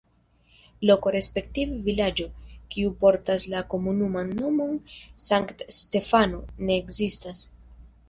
Loko respektive vilaĝo, kiu portas la komunuman nomon Sankt-Stefano, ne ekzistas.